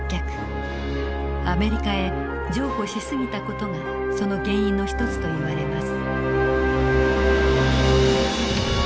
アメリカへ譲歩し過ぎた事がその原因の一つといわれます。